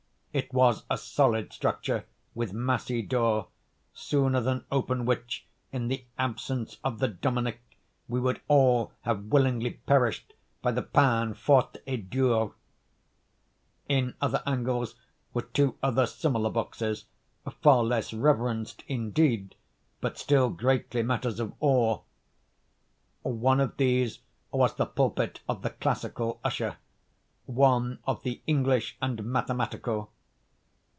It was a solid structure, with massy door, sooner than open which in the absence of the "Dominie," we would all have willingly perished by the peine forte et dure. In other angles were two other similar boxes, far less reverenced, indeed, but still greatly matters of awe. One of these was the pulpit of the "classical" usher, one of the "English and mathematical."